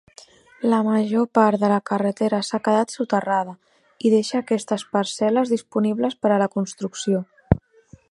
La major part de la carretera s'ha quedat soterrada, i deixa aquestes parcel·les disponibles per a la construcció.